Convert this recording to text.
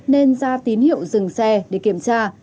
nên ra tín hiệu dừng xe để kiểm tra